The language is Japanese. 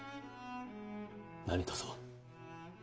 何とぞ。